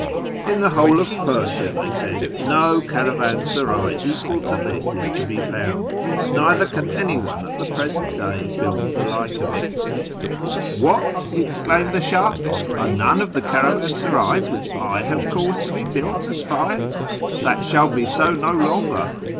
' In the whole of Persia,' they said, ' no caravansaray equal to this is to be found, neither can 13 194 A YEAR AMONGST THE PERSIANS anyone at the present day build the like of it' ' AVliat !' exclaimed the Sluih, ' are none of the caravansarays which 1 have caused to be built as fine ? That shall be so no longer.